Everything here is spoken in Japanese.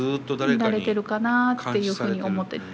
見られてるかなっていうふうに思ってる。